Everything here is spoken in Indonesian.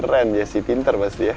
keren jessy pintar pasti ya